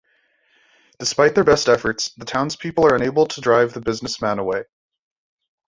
Despite their best efforts, the townspeople are unable to drive the businessman away.